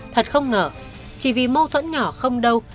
thật không ngờ chỉ vì mâu thuẫn nhỏ không đâu